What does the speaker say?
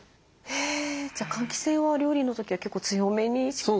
えじゃあ換気扇は料理の時は結構強めにしっかり？